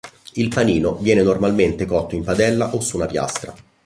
Il panino viene normalmente cotto in padella o su una piastra.